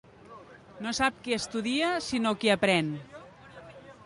No sap qui estudia, sinó qui aprèn.